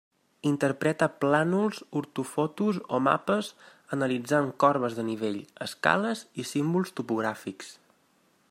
Interpreta plànols, ortofotos o mapes, analitzant corbes de nivell, escales i símbols topogràfics.